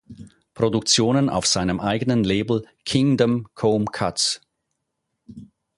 Produktionen auf seinem eigenen Label Kingdom Kome Cuts.